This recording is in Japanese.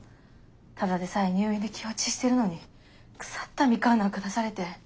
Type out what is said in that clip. ただでさえ入院で気落ちしてるのに腐ったみかんなんか出されて。